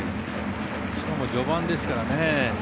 しかも序盤ですからね。